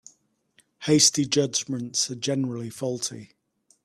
Hasty judgements are generally faulty.